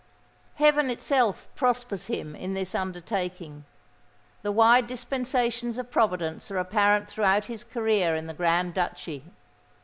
Heaven itself prospers him in this undertaking: the wise dispensations of Providence are apparent throughout his career in the Grand Duchy.